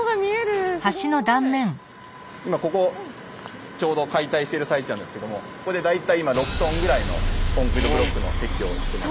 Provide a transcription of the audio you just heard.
今ここをちょうど解体してる最中なんですけどもここで大体今６ｔぐらいのコンクリートブロックの撤去をしてます。